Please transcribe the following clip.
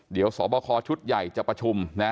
เดี๋ยวสบคชุดใหญ่จะประชุมนะ